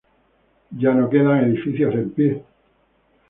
Ya no quedan edificios en pie.